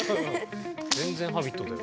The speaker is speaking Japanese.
全然「Ｈａｂｉｔ」だよ。